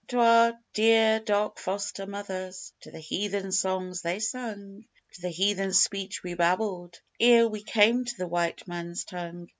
To our dear dark foster mothers, To the heathen songs they sung To the heathen speech we babbled Ere we came to the white man's tongue.